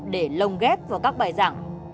để lồng ghép vào các bài giảng